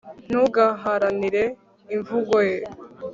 Ntugaharanire imvugo ye